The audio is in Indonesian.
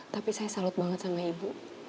tapi saya salut banget sama ibu